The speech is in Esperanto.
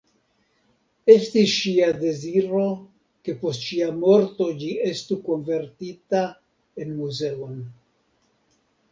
Estis ŝia deziro ke post ŝia morto ĝi estu konvertita en muzeon.